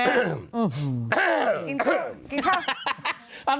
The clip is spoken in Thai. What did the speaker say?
กินข้าว